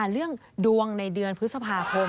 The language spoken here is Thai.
เรื่องดวงในเดือนพฤษภาคม